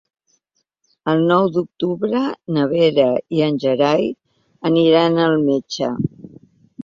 El nou d'octubre na Vera i en Gerai aniran al metge.